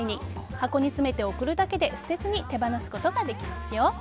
箱に詰めて送るだけで捨てずに手放すことができますよ。